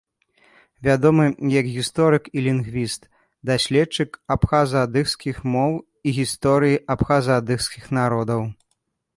Вядомы як гісторык і лінгвіст, даследчык абхаза-адыгскіх моў і гісторыі абхаза-адыгскіх народаў.